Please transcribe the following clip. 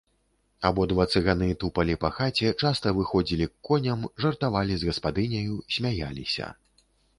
Абодва цыганы тупалі па хаце, часта выходзілі к коням, жартавалі з гаспадыняю, смяяліся.